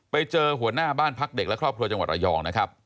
ไปเจอหัวหน้าบ้านพักเด็กและครอบครัวจังหวัดระยองนะครับ